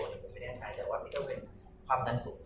หรือเป็นอะไรที่คุณต้องการให้ดู